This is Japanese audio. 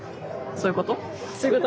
そういうこと？